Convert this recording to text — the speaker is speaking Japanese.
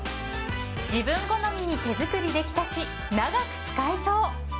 自分好みに手作りできたし長く使えそう